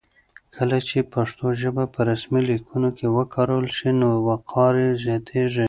کله چې پښتو ژبه په رسمي لیکونو کې وکارول شي نو وقار یې زیاتېږي.